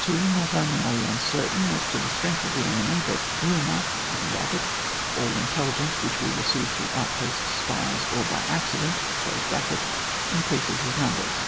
2. Not only are we uncertain as to the strength of the enemy, but rumour (all intelligence which we receive through outposts, spies, or by accident) increases his numbers.